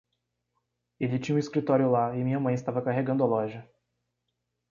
Ele tinha o escritório lá e minha mãe estava carregando a loja.